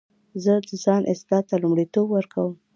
زه د ځان اصلاح ته لومړیتوب ورکوم.